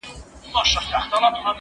زه بايد لوبه وکړم!.